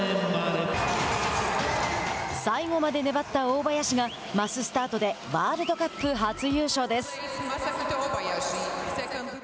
最後まで粘った大林がマススタートでワールドカップ初優勝です。